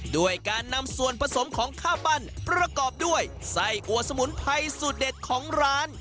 ด้วยการนำส่วนผสมของข้าวปั้นประกอบด้วยไส้อัวสมุนไพรสูตรเด็ดของร้าน